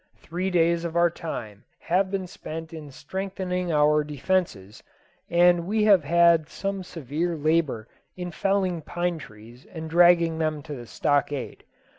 Three days of our time have been spent in strengthening our defences, and we have had some severe labour in felling pine trees and dragging them to the stockade.